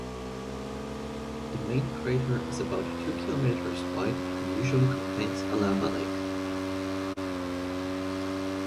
The main crater is about two kilometres wide and usually contains a lava lake.